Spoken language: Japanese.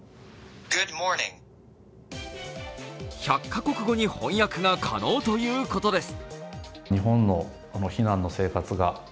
１００カ国語に翻訳が可能ということです。